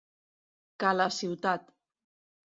Ca la ciutat.